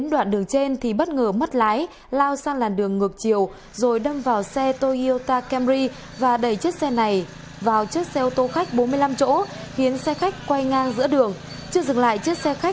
các bạn hãy đăng ký kênh để ủng hộ kênh của chúng mình nhé